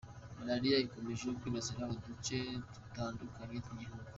Malaria ikomeje kwibasira uduce dutandukanye tw’igihugu.